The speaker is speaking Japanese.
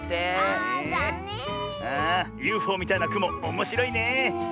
ＵＦＯみたいなくもおもしろいね。